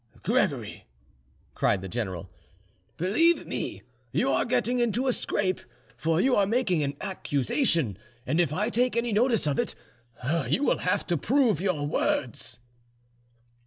"Gregory," cried the general, "believe me, you are getting into a scrape; for you are making an accusation, and if I take any notice of it, you will have to prove your words."